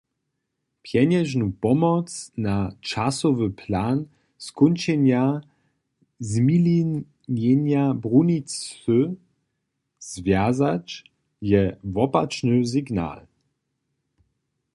Pjenježnu pomoc na časowy plan skónčenja zmilinjenja brunicy zwjazać, je wopačny signal.